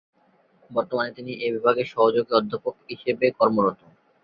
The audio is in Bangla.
বর্তমানে তিনি এ বিভাগের সহযোগী অধ্যাপক হিসেবে কর্মরত।